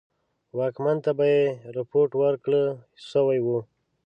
واکمن ته به یې رپوټ ورکړه سوی وو.